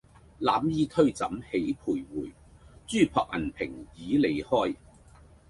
攬衣推枕起徘徊，珠箔銀屏迤邐開。